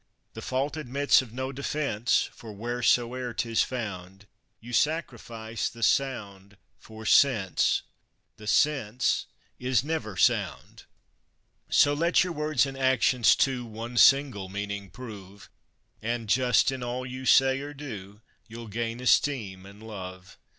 The fault admits of no defence, for wheresoe'er 'tis found, You sacrifice the sound for sense; the sense is never sound. So let your words and actions, too, one single meaning prove, And just in all you say or do, you'll gain esteem and love.